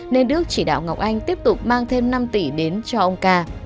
nên đức chỉ đạo ngọc anh tiếp tục mang thêm năm tỷ đến cho ông ca